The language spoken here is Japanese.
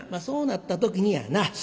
そうなった時にやな